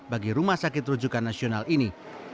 bagi rumah sakit rujukan nasional ini